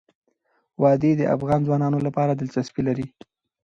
وادي د افغان ځوانانو لپاره دلچسپي لري.